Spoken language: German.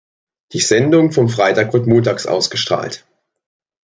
Die Sendung vom Freitag wird montags ausgestrahlt.